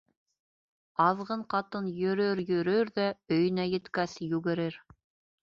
Аҙғын ҡатын йөрөр-йөрөр ҙә, өйөнә еткәс, йүгерер.